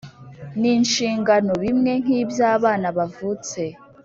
N inshingano bimwe nk iby abana bavutse